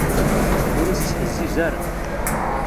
Ur as-ttḥezziz ara.